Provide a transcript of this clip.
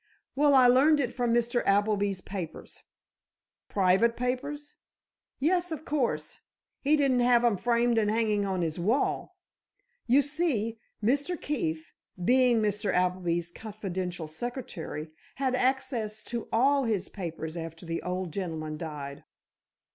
"Well, I learned it from Mr. Appleby's papers——" "Private papers?" "Yes, of course. He didn't have 'em framed and hanging on his wall. You see, Mr. Keefe, being Mr. Appleby's confidential secretary, had access to all his papers after the old gentleman died."